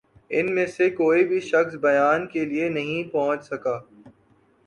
ان میں سے کوئی بھِی شخص بیان کے لیے نہیں پہنچ سکا